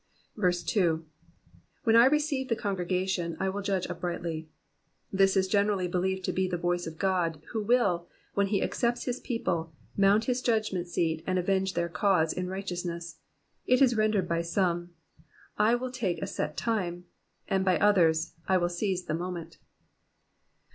2. •• When I shall receive the congregation 1 will judge uprightly.''^ This is generally believed to be the voice of God, who will, when he accepts his people. Digitized by VjOOQIC PSALM THE SEVENTY FIFTH. 301 mount his judgment seat and avenge their cause in righteousness. It is ren dered by some, I will take a set time ;" and by others, '* I will seize the moment.